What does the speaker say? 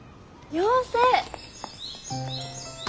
妖精！